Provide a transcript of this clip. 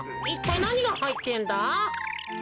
いったいなにがはいってんだ？